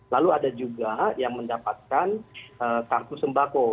lalu ada juga yang mendapatkan kartu sembako